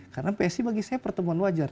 karena psi bagi saya pertemuan wajar